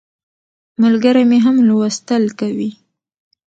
ملګری مې هم لوستل کوي.